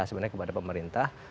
misalnya kepada pemerintah